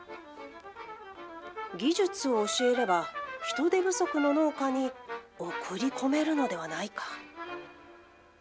技術を教えれば人手不足の農家に送り込めるのではないか。